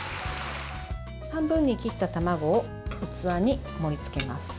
半分に切った卵を器に盛りつけます。